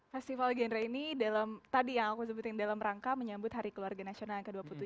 festival genre ini dalam tadi yang aku sebutin dalam rangka menyambut hari keluarga nasional ke dua puluh tujuh